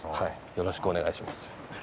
よろしくお願いします。